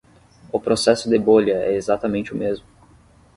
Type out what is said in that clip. O processo de bolha é exatamente o mesmo.